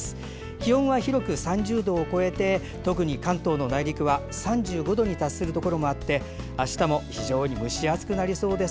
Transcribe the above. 気温は広く３０度を超えて特に関東の内陸は３５度に達するところもあってあしたも非常に蒸し暑くなりそうです。